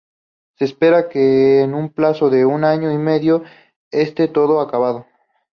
Se espera que en un plazo de un año y medio este todo acabado.